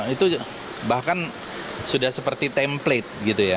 itu bahkan sudah seperti template